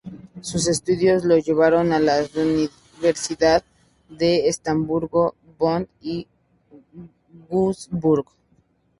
Sus estudios lo llevaron a las universidad de Estrasburgo, Bonn y Würzburg.